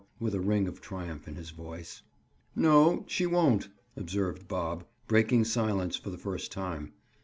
With a ring of triumph in his voice. "No, she won't," observed Bob, breaking silence for the first time.